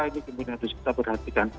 ini kemudian harus kita perhatikan